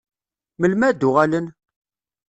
Melmi ad d-uɣalen?